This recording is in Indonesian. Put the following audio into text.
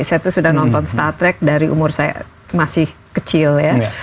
saya tuh sudah nonton star trek dari umur saya masih kecil ya